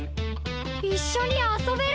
いっしょにあそべる？